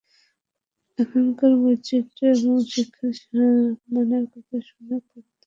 এখানকার বৈচিত্র্য এবং শিক্ষার মানের কথা শুনে পড়তে আসতে আগ্রহী হয়েছি।